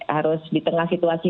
harus di tengah situasi